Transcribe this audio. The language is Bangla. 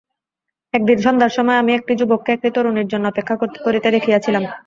একদিন সন্ধ্যার সময় আমি একটি যুবককে একটি তরুণীর জন্য অপেক্ষা করিতে দেখিয়াছিলাম।